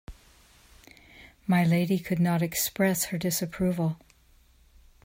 My lady could not express her disapproval.